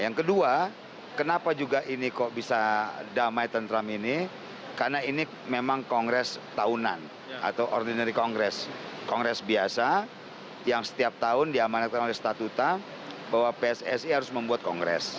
yang kedua kenapa juga ini kok bisa damai tentram ini karena ini memang kongres tahunan atau ordinary kongress kongres biasa yang setiap tahun diamanatkan oleh statuta bahwa pssi harus membuat kongres